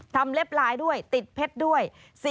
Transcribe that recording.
ทำเล็บลายด้วยติดเผ็ดด้วย